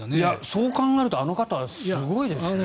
そう考えるとあの方はすごいですね。